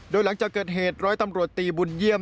โดยหลังจากเกิดเหตุร้อยตำรวจตีบุญเยี่ยม